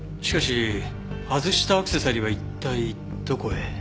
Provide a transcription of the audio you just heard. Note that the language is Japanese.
しかし外したアクセサリーは一体どこへ？